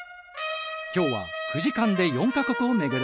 今日は９時間で４か国を巡る。